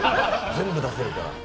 全部出せるから。